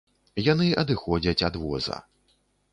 Яны адыходзяць ад воза.